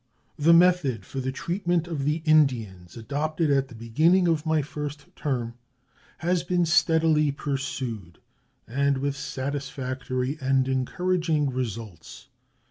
The method for the treatment of the Indians adopted at the beginning of my first term has been steadily pursued, and with satisfactory and encouraging results.